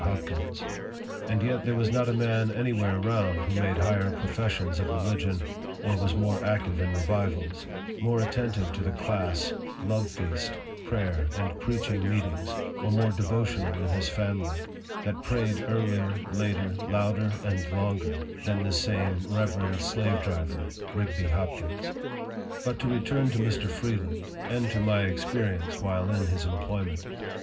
Hopkins. And yet there was not a man any where round, who made higher professions of religion, or was more active in revivals, more attentive to the class, love feast, prayer and preaching meetings, or more devotional in his family, that prayed earlier, later, louder, and longer, than this same reverend slave driver, Rigby Hopkins. But to return to Mr. Freeland, and to my experience 80 NARRATIVE OF THE while in his employment.